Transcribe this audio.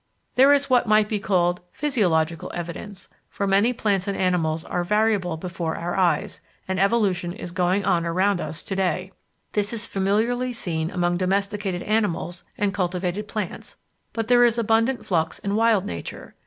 There is what might be called physiological evidence, for many plants and animals are variable before our eyes, and evolution is going on around us to day. This is familiarly seen among domesticated animals and cultivated plants, but there is abundant flux in Wild Nature.